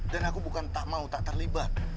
dan aku bukan tak mau tak terlibat